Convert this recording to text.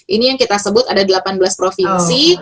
ini yang kita sebut ada delapan belas provinsi